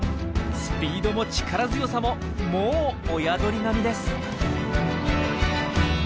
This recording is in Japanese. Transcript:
スピードも力強さももう親鳥並みです。